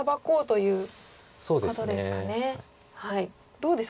どうですか？